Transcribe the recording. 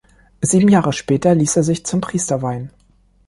Sieben Jahre später ließ er sich zum Priester weihen.